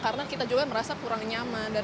karena kita juga merasa kurang nyaman dan aman